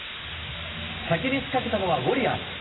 先に仕掛けたのはウォリアーズ。